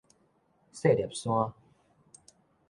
細粒山